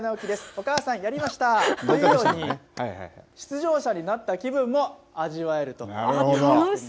お母さんやりました！というように、出場者になった気分も味わえるということなんです。